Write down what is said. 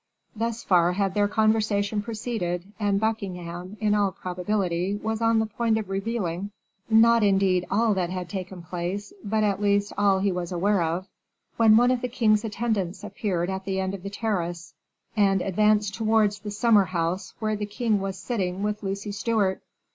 Thus far had their conversation proceeded, and Buckingham, in all probability, was on the point of revealing, not indeed all that had taken place, but at least all he was aware of, when one of the king's attendants appeared at the end of the terrace, and advanced towards the summer house where the king was sitting with Lucy Stewart.